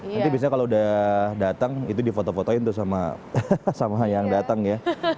nanti bisa kalau udah datang itu difoto fotoin tuh sama yang datang ya